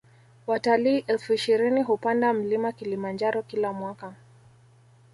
watalii elfu ishirini hupanda mlima Kilimanjaro Kila mwaka